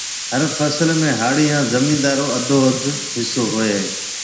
هر فصل ۾ هاڙِي هانَ زميندار رو اڌواڌ هسو هوئي هيَ۔